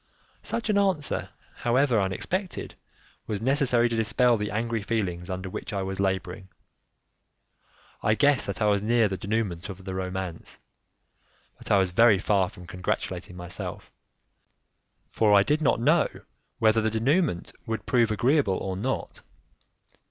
Such an answer, however, unexpected, was necessary to dispel the angry feelings under which I was labouring. I guessed that I was near the denouement of the romance, but I was very far from congratulating myself, for I did not know whether the denouement would prove agreeable or not.